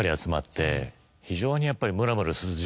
非常にやっぱり。